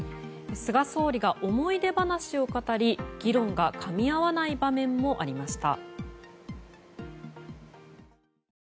菅総理が思い出話を語り議論がかみ合わない場面もありました。